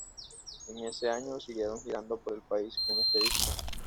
En ese año siguieron girando por el país con este disco.